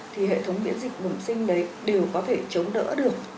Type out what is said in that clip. thì hệ thống miễn dịch bẩm sinh đấy đều có thể chống đỡ được